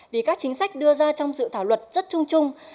vì các chính sách đưa ra trong dự thảo luật rất chung chung